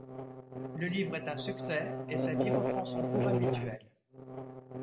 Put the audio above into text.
Le livre est un succès et sa vie reprend son cours habituel.